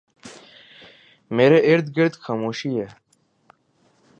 میرے اردگرد خاموشی ہے ۔